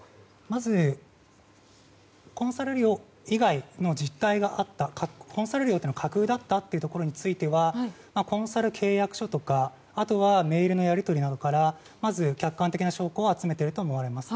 まずコンサル料以外の実態があったかコンサル料が架空だったということについてはコンサル契約書とかあとはメールのやり取りなどからまず客観的な証拠を集めていると思われます。